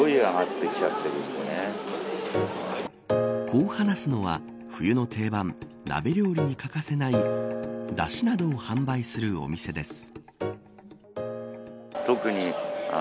こう話すのは冬の定番、鍋料理に欠かせないだしなどを販売するお店です。